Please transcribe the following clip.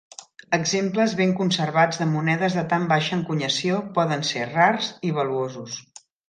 Exemples ben conservats de monedes de tan baixa encunyació poden ser rars i valuosos.